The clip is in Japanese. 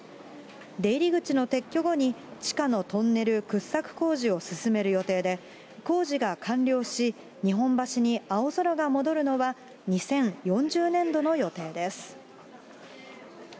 出入り口の撤去後に、地下のトンネル掘削工事を進める予定で、工事が完了し、日本橋に青空が戻るのは、２０４０年度の予定です。